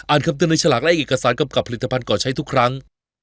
คำเตือนในฉลากและเอกสารกำกับผลิตภัณฑ์ก่อใช้ทุกครั้ง